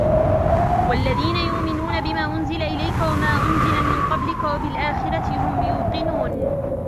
والذين يؤمنون بما أنزل إليك وما أنزل من قبلك وبالآخرة هم يوقنون